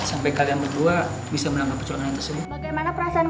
sampai kalian berdua bisa menangkap penculikan yang tersebut